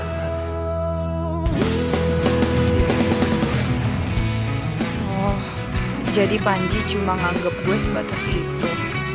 oh jadi panji cuma nganggep gue sebatas itu